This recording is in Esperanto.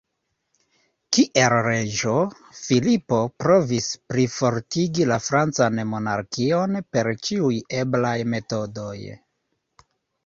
Kiel reĝo, Filipo provis plifortigi la francan monarkion per ĉiuj eblaj metodoj.